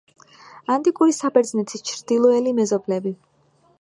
ანტიკური საბერძნეთის ჩრდილოელი მეზობლები.